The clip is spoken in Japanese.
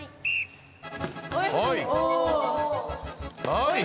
はい！